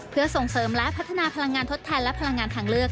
เพื่อส่งเสริมและพัฒนาพลังงานทดแทนและพลังงานทางเลือก